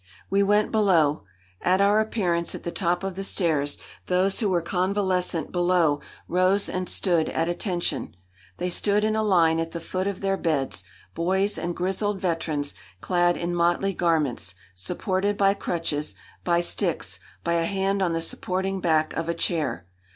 We went below. At our appearance at the top of the stairs those who were convalescent below rose and stood at attention. They stood in a line at the foot of their beds, boys and grizzled veterans, clad in motley garments, supported by crutches, by sticks, by a hand on the supporting back of a chair.